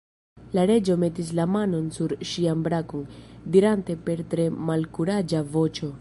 La Reĝo metis la manon sur ŝian brakon, dirante per tre malkuraĝa voĉo.